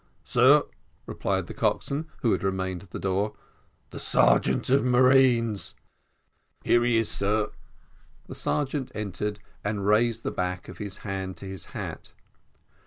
"Sir," replied the coxswain, who had remained at the door. "The sergeant of marines." "Here he is, sir." The sergeant entered, and raised the back of his hand to his hat.